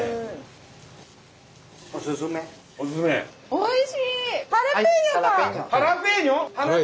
おいしい！